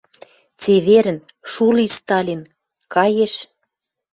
«Цеверӹн... Шу ли, Сталин»... Каеш